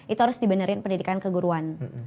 itu harus dibenerin pendidikan keguruan